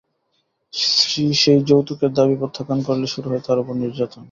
স্ত্রী সেই যৌতুকের দাবি প্রত্যাখ্যান করলে শুরু হয় তাঁর ওপর নির্যাতন।